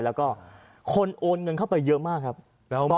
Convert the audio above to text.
แล้วก็คนโอนเงินเข้าไปเยอะมากครับ